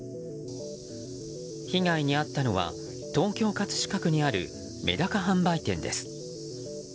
被害に遭ったのは東京・葛飾区にあるメダカ販売店です。